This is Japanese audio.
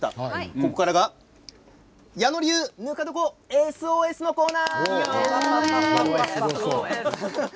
ここからが「矢野流！ぬか床ＳＯＳ」のコーナーです。